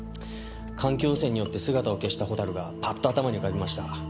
環境汚染によって姿を消したホタルがパッと頭に浮かびました。